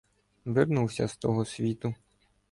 — Вернувся з того світу.